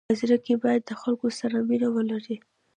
په زړه کي باید د خلکو سره مینه ولری.